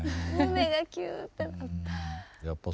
胸がキューッてなった。